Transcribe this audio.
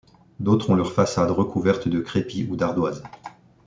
D'autres ont leurs façades recouvertes de crépi ou d'ardoises.